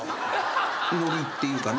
ノリっていうかね